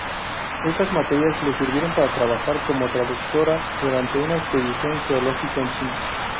Estas materias le sirvieron para trabajar como traductora durante una expedición geológica en China.